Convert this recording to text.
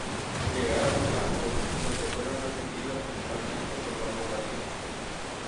Llegaron a Glasgow, donde fueron recibidos triunfalmente por la población.